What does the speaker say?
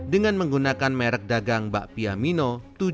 dengan menggunakan merek dagang bakpia mino tujuh ratus tiga